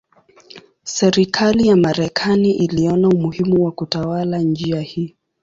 Serikali ya Marekani iliona umuhimu wa kutawala njia hii.